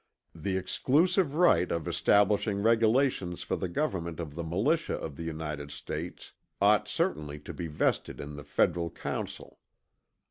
"The exclusive right of establishing regulations for the government of the militia of the United States, ought certainly to be vested in the federal council.